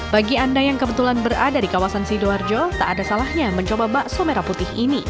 bagi anda yang kebetulan berada di kawasan sidoarjo tak ada salahnya mencoba bakso merah putih ini